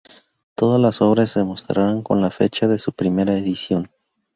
Todas las obras se mostrarán con la fecha de su primera edición.